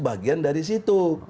bagian dari situ